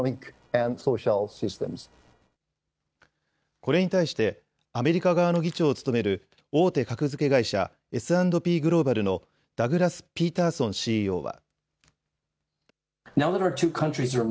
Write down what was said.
これに対してアメリカ側の議長を務める大手格付け会社、Ｓ＆Ｐグローバルのダグラス・ピーターソンＣＥＯは。